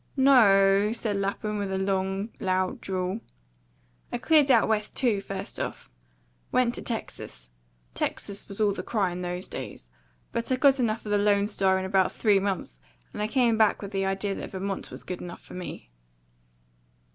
"No o o o," said Lapham, with a long, loud drawl; "I cleared out West too, first off. Went to Texas. Texas was all the cry in those days. But I got enough of the Lone Star in about three months, and I come back with the idea that Vermont was good enough for me."